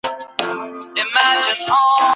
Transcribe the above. طالبانو د علمي ادارو ملاتړ ونه کړ.